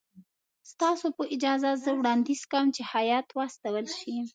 ستاسو په اجازه زه وړاندیز کوم چې هیات واستول شي.